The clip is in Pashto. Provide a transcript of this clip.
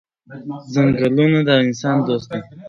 ځنګلونه د انسان دوست دي.